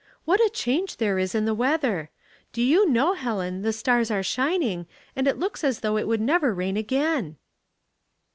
" What a change there is in the weather. Do you know, Helen, the stars are shining, and it looks as though it would never rain again."